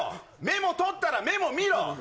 メモ取ったらメモ見ろ！